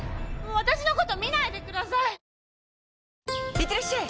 いってらっしゃい！